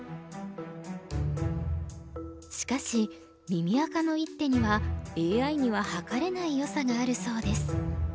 しかし耳赤の一手にはＡＩには測れないよさがあるそうです。